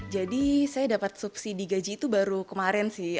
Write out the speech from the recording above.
jadi saya dapat subsidi gaji itu baru kemarin sih